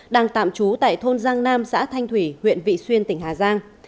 đang tạm trú tại thôn giang nam xã thanh thủy huyện vị xuyên tỉnh hà giang